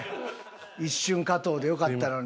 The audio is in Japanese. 一瞬加藤でよかったのに。